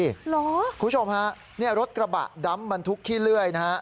เหรอคุณผู้ชมฮะเนี่ยรถกระบะดำบรรทุกขี้เลื่อยนะฮะ